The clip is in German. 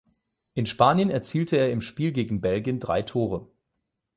In Spanien erzielte er im Spiel gegen Belgien drei Tore.